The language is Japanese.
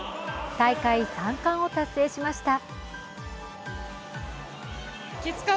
大会３冠を達成しました。